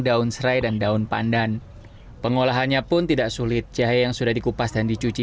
daun serai dan daun pandan pengolahannya pun tidak sulit jahe yang sudah dikupas dan dicuci